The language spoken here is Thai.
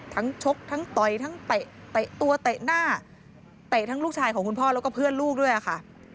ชกทั้งต่อยทั้งเตะตัวเตะหน้าเตะทั้งลูกชายของคุณพ่อแล้วก็เพื่อนลูกด้วยค่ะ